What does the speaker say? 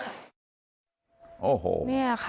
ค่ะแล้วก็เพื่อนหนูเคยโดนตบหน้าด้วยค่ะ